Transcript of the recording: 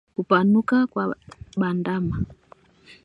Kupanuka kwa bandama